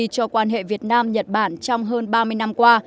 cho quan hệ việt nam nhật bản trong hơn ba mươi năm qua